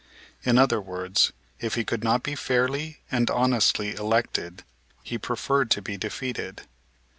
In other words, if he could not be fairly and honestly elected he preferred to be defeated.